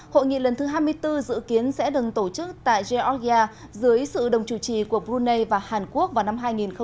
hội nghị lần thứ hai mươi bốn dự kiến sẽ đừng tổ chức tại georgia dưới sự đồng chủ trì của brunei và hàn quốc vào năm hai nghìn hai mươi